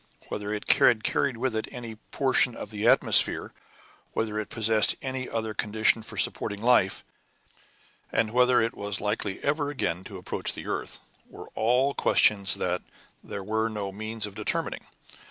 Whether it had carried with it any portion of atmosphere, whether it possessed any other condition for supporting life, and whether it was likely ever again to approach to the earth, were all questions that there were no means of determining.